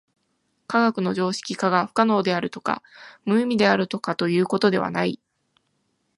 科学の常識化が不可能であるとか無意味であるとかということではない。